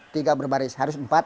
tiga berbaris harus empat